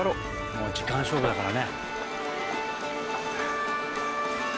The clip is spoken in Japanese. もう時間勝負だからね。